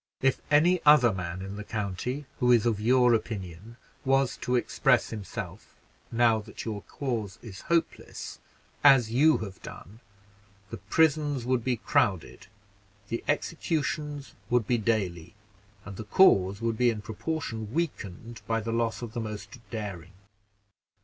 If every other man in the county, who is of your opinion, was to express himself, now that your cause is hopeless, as you have done, the prisons would be crowded, the executions would be dayly, and the cause would be, in proportion, weakened by the loss of the most daring.